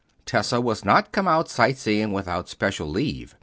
Tessa was not come out sight seeing without special leave.